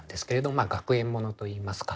まあ学園物といいますか。